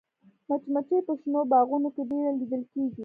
مچمچۍ په شنو باغونو کې ډېره لیدل کېږي